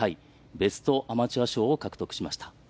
ベストアマチュア賞を獲得しました。